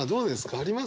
ありますか？